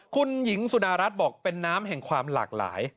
คุณหญิงสุดารัฐบอกเป็นน้ำแห่งความหลากหลาย